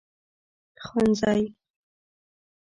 خانزۍ